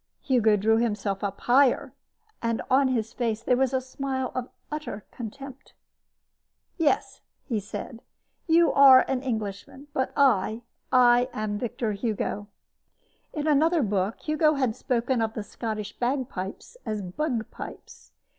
Hugo drew himself up still higher, and on his face there was a smile of utter contempt. "Yes," said he. "You are an Englishman; but I I am Victor Hugo." In another book Hugo had spoken of the Scottish bagpipes as "bugpipes."